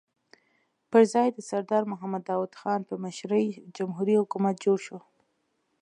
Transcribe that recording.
پر ځای یې د سردار محمد داؤد خان په مشرۍ جمهوري حکومت جوړ شو.